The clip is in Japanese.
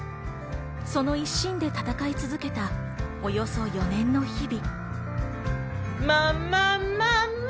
その一心で戦い続けたおよそ４年の日々。